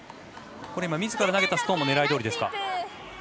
今、みずから投げたストーンも狙いどおりですか？